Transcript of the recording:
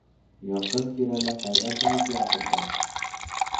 Яҡын тирәлә ҡайҙа кинотеатр бар?